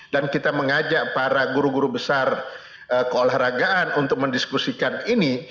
dan kita mengajak para guru guru besar keolahragaan untuk mendiskusikan ini